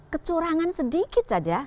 kecurangan sedikit saja